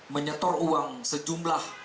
menyetor uang sejumlah